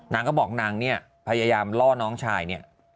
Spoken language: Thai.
นางก็บอกนางเนี่ยพยายามล่อน้องชายเนี่ย